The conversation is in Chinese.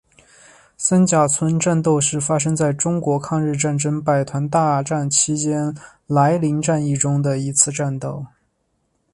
三甲村战斗是发生在中国抗日战争百团大战期间涞灵战役中的一次战斗。